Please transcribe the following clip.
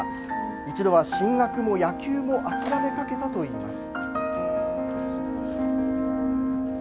一度は進学も野球も諦めかけたと言います。